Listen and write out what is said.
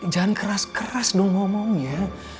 jangan keras keras dong ngomongnya